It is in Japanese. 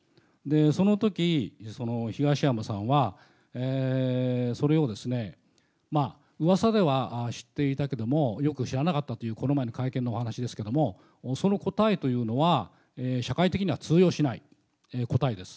そのとき、東山さんは、それをうわさでは知っていたけども、よく知らなかったというこの前の会見のお話ですけれども、その答えというのは、社会的には通用しない答えです。